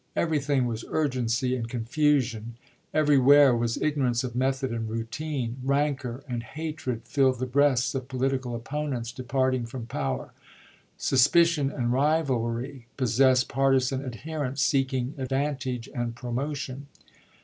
Everything was urgency and confusion, every where was ignorance of method and routine. Rancor and hatred filled the breasts of political opponents departing from power; suspicion and rivalry possessed partisan adherents seeking ad vantage and promotion.